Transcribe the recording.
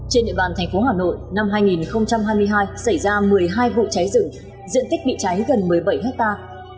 trên địa bàn thành phố hà nội năm hai nghìn hai mươi hai xảy ra một mươi hai vụ cháy rừng diện tích bị cháy gần một mươi bảy hectare